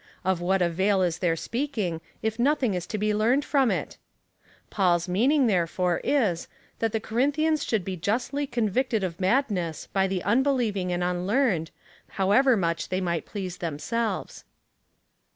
Of what avail is their speaking, if nothing is to be learned from it V Paul's meaning, therefore, is — that the Corinthians would be justly convicted of madness by the unbelieving and unlearned, however much they might please themselves.